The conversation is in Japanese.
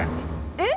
えっ！